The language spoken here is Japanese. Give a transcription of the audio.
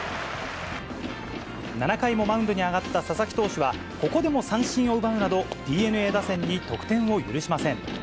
７回もマウンドに上がった佐々木投手は、ここでも三振を奪うなど、ＤｅＮＡ打線に得点を許しません。